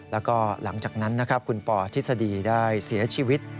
แล้วก็หลังจากนั้นนะครับคุณปอทฤษฎีได้เสียชีวิต